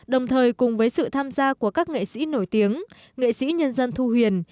đồng thời cùng với sự tham gia của các nghệ sĩ nổi tiếng nghệ sĩ nhân dân thu huyền